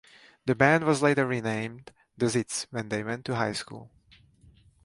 The band was later renamed "The Zits" when they went to high school.